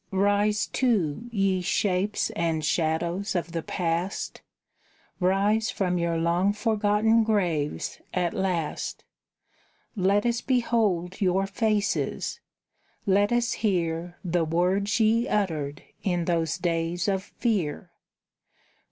Rise, too, ye shapes and shadows of the Past, Rise from your long forgotten graves at last; Let us behold your faces, let us hear The words ye uttered in those days of fear!